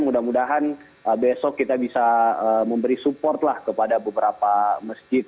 mudah mudahan besok kita bisa memberi support lah kepada beberapa masjid